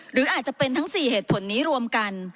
หรืออาจจะเป็นทั้ง๔เหตุผลนี้รวมกัน